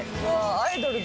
アイドルだ。